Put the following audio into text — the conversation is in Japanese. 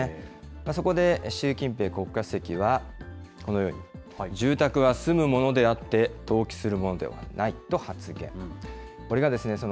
そこで、習近平国家主席はこのように、住宅は住むものであって、投機するものではないと発言。